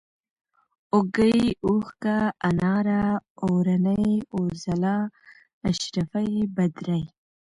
اوږۍ ، اوښکه ، اناره ، اورنۍ ، اورځلا ، اشرفۍ ، بدرۍ